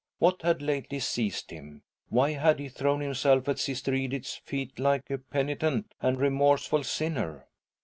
What W had lately s^ed J m? Why had he thrown himself at Siste Edith's fee" like a penitent and remorseful sinner